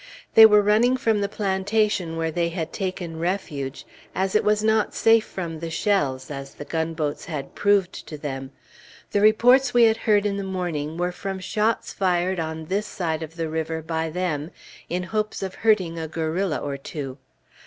They were running from the plantation where they had taken refuge, as it was not safe from the shells, as the gunboats had proved to them. The reports we had heard in the morning were from shots fired on this side of the river by them, in hopes of hurting a guerrilla or two.